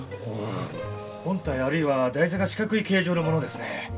本体あるいは台座が四角い形状のものですね。